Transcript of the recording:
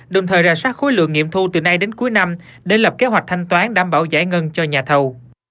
đồng thời ra soát khối lượng nghiệm thu từ nay đến cuối năm để lập kế hoạch thanh toán đảm bảo giải ngân cho nhà thầu